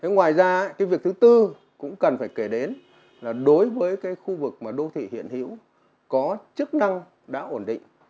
ngoài ra cái việc thứ tư cũng cần phải kể đến là đối với cái khu vực đô thị hiện hữu có chức năng đã ổn định